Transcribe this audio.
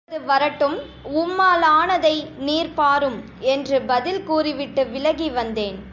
வருவது வரட்டும், உம்மாலானதை, நீர் பாரும்! என்று பதில் கூறிவிட்டு விலகி வந்தேன்.